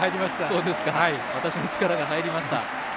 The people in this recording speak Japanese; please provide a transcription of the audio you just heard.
私も力が入りました。